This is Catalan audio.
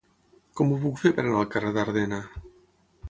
Com ho puc fer per anar al carrer d'Ardena?